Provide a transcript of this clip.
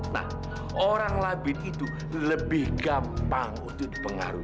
nah orang labir itu lebih gampang untuk dipengaruhi